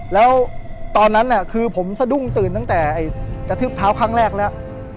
แล้วตอนนั้นคือผมสะดุ้งตื่นตั้งแต่กระทืบเท้าครั้งแรกแล้ว